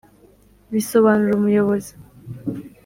bisobanura umuyobozi